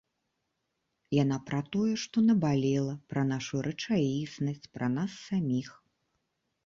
Яна пра тое, што набалела, пра нашу рэчаіснасць, пра нас саміх.